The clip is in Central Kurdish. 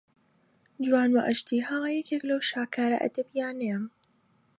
جوان و ئەژدیها یەکێک لەو شاکارە ئەدەبیانەیە